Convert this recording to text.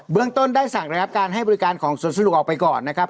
เรื่องต้นได้สั่งระงับการให้บริการของสวนสนุกออกไปก่อนนะครับ